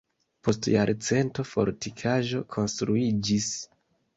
Post jarcento fortikaĵo konstruiĝis.